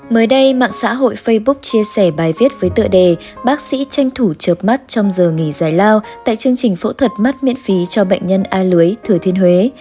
mới đây mạng xã hội facebook chia sẻ bài viết với tựa đề bác sĩ tranh thủ chớp mắt trong giờ nghỉ giải lao tại chương trình phẫu thuật mắt miễn phí cho bệnh nhân a lưới thừa thiên huế